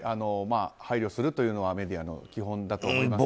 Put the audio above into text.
配慮するというのはメディアの基本だと思いますけど。